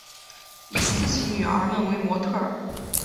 以自己女儿们为模特儿